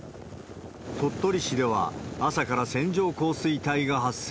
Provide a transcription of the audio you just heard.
鳥取市では、朝から線状降水帯が発生。